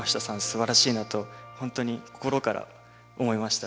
すばらしいなと本当に心から思いました。